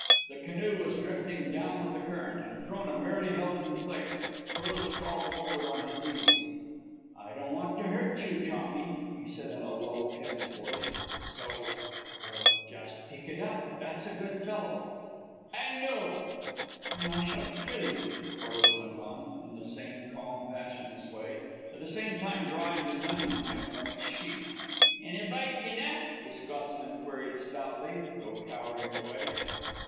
The canoe was drifting down with the current, and Frona merely held it in place. Corliss crawled forward on his knees. "I don't want to hurt you, Tommy," he said in a low, tense voice, "so ... well, just pick it up, that's a good fellow." "I'll no." "Then I shall kill you," Corliss went on, in the same calm, passionless way, at the same time drawing his hunting knife from its sheath. "And if I dinna?" the Scotsman queried stoutly, though cowering away.